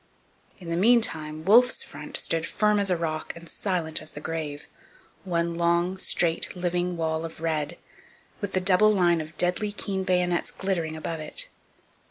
In the meantime Wolfe's front stood firm as a rock and silent as the grave, one long, straight, living wall of red, with the double line of deadly keen bayonets glittering above it.